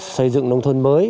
xây dựng nông thôn mới